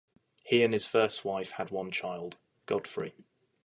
He and his first wife had one child, Godfrey.